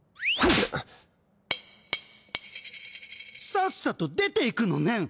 さっさと出ていくのねん！